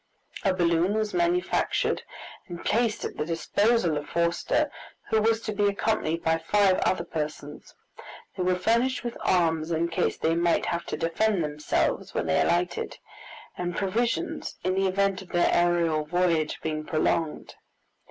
A balloon was manufactured and placed at the disposal of Forster, who was to be accompanied by five other persons. They were furnished with arms in case they might have to defend themselves when they alighted, and provisions in the event of their aerial voyage being prolonged.